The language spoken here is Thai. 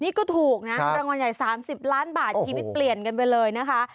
นี่ก็ถูกนะรางวัลใหญ่๓๐ล้านบาทชีวิตเปลี่ยนกันไปเลยนะคะ